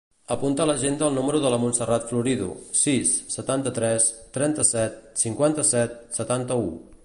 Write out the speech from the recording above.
Apunta a l'agenda el número de la Montserrat Florido: sis, setanta-tres, trenta-set, cinquanta-set, setanta-u.